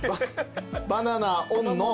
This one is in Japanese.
バナナオンの。